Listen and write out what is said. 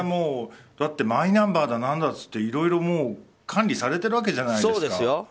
だって、マイナンバーだ何だっていろいろ管理されているわけじゃないですか。